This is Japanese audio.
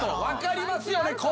分かりますよね？